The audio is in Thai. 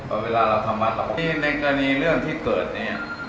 เพราะเวลาเราทำบัตรเราในกรณีเรื่องที่เกิดเนี่ย